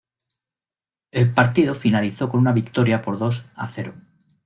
El partido finalizó con una victoria por dos a cero.